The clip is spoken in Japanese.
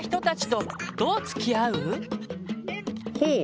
ほう。